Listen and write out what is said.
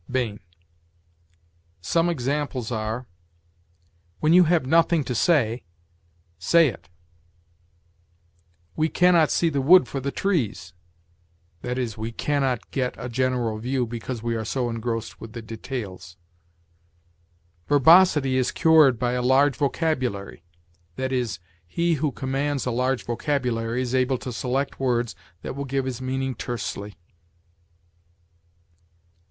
Bain. Some examples are: "When you have nothing to say, say it." "We can not see the wood for the trees"; that is, we can not get a general view because we are so engrossed with the details. "Verbosity is cured by a large vocabulary"; that is, he who commands a large vocabulary is able to select words that will give his meaning tersely.